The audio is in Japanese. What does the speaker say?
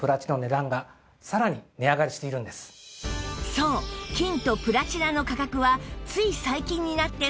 そう金とプラチナの価格はつい最近になってさらに高騰